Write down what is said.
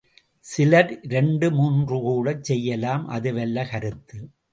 சிலர் இரண்டு, மூன்று கூடச் செய்யலாம், அதுவல்ல கருத்து!